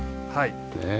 ねえ。